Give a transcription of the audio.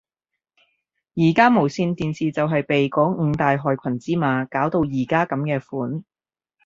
而家無線電視就係被嗰五大害群之馬搞到而家噉嘅款